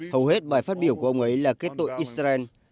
hầu hết bài phát biểu của ông ấy là kết tội israel